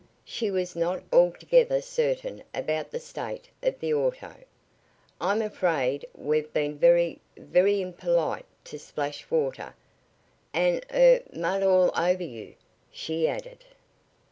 She was not altogether certain about the state of the auto. "I'm afraid we've been very very impolite to splash water, and er mud all over you," she added.